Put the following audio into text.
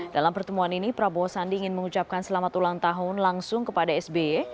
dalam pertemuan ini prabowo sandi ingin mengucapkan selamat ulang tahun langsung kepada sby